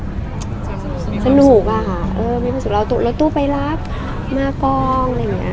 เป็นสนุกวะค่ะเออเป็นความสุขเราแล้วตู้ไปรับมากรองอะไรอย่างนี้